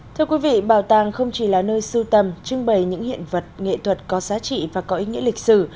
thưa quý vị bảo tàng không chỉ là nơi sưu tầm trưng bày những hiện vật nghệ thuật có giá trị và có ý nghĩa lịch sử